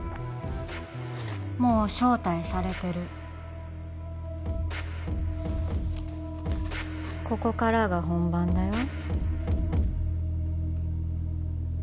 もう招待されてるここからが本番だよ